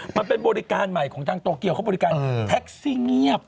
มันเป็นบริการใหม่ของทางโตเกียวเขาบริการแท็กซี่เงียบ